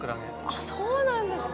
あそうなんですか。